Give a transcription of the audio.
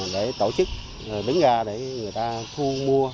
để tổ chức đứng ra để người ta thu mua